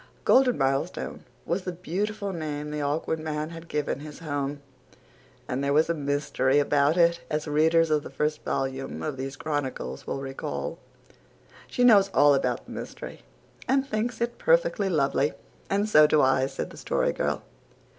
Golden Milestone was the beautiful name the Awkward Man had given his home; and there was a mystery about it, as readers of the first volume of these chronicles will recall. "She knows all about the mystery and thinks it perfectly lovely and so do I," said the Story Girl.